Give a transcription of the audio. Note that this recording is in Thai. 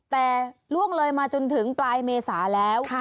แต่ล่วงเลยมาจนถึงปลายเมษาแล้ว